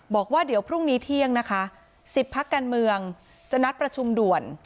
บอกว่าเดี๋ยวพรุ่งนี้เที่ยงนะคะ๑๐พักการเมืองจะนัดประชุมด่วน